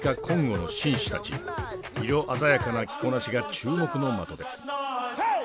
色鮮やかな着こなしが注目の的です。